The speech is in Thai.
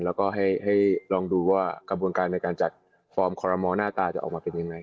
แล้วก็ให้ลองดูว่ากระบวนการในการจัดฟอร์มคอรมอลหน้าตาจะออกมาเป็นยังไง